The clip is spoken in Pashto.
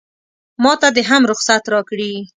ماته دې هم رخصت راکړي.